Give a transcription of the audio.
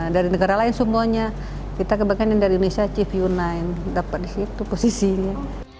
dari negara lain semuanya kita kebanyakan yang dari indonesia chief united dapat di situ posisinya